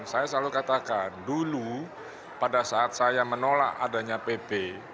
saya selalu katakan dulu pada saat saya menolak adanya pp